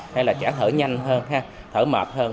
hay là trẻ thở nhanh hơn thở mệt hơn